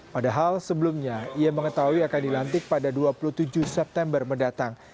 padahal sebelumnya ia mengetahui akan dilantik pada dua puluh tujuh september mendatang